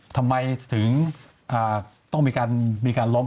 ทำไมถึงต้องมีการล้ม